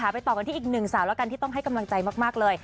ไปต่อกันที่อีกหนึ่งสาวแล้วกันที่ต้องให้กำลังใจมากเลย